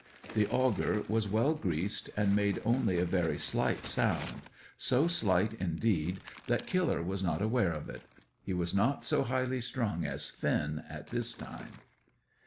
The auger was well greased, and made only a very slight sound, so slight indeed that Killer was not aware of it. He was not so highly strung as Finn at this time.